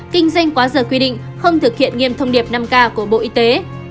kinh doanh quá giờ quy định không thực hiện nghiêm thông điệp năm k của bộ y tế